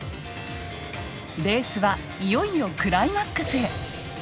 レースはいよいよクライマックスへ。